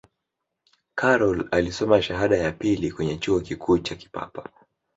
karol alisoma shahada ya pili kwenye chuo kikuu cha kipapa